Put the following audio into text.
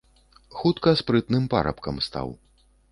Хутка спрытным парабкам стаў.